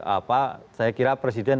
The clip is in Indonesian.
apa saya kira presiden